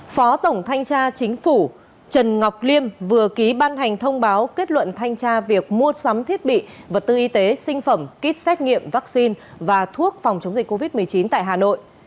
phó tổng thanh tra chính phủ trần ngọc liêm vừa ký ban hành thông báo kết luận thanh tra việc mua sắm thiết bị vật tư y tế sinh phẩm kit xét nghiệm vaccine và thuốc phòng chống dịch covid một mươi chín tại hà nội